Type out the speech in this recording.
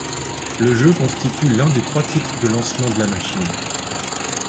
Le jeu constitue l'un des trois titres de lancement de la machine.